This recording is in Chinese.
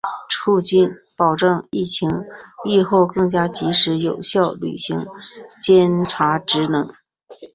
促进、保障疫期、疫后更加及时有效履行检察职能